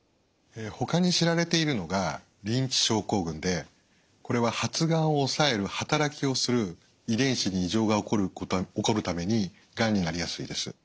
ほかに知られているのがリンチ症候群でこれは発がんを抑える働きをする遺伝子に異常が起こるためにがんになりやすいです。